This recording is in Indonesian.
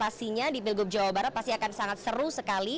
pastinya di pilgub jawa barat pasti akan sangat seru sekali